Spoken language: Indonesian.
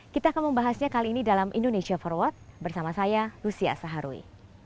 kita akan membahasnya kali ini dalam indonesia forward bersama saya lucia saharwi